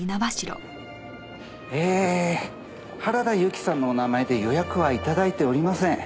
えー原田由紀さんのお名前で予約は頂いておりません。